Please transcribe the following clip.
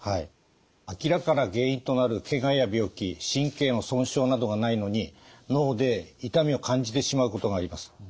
明らかな原因となるけがや病気神経の損傷などがないのに脳で痛みを感じてしまうことがあります。